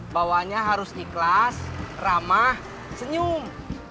bawahnya harus ikhlas ramah senyum